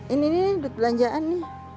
ini ini ini duit belanjaan nih